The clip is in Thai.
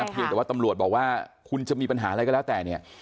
เพียงแต่ว่าตำรวจบอกว่าคุณจะมีปัญหาอะไรก็แล้วแต่เนี่ย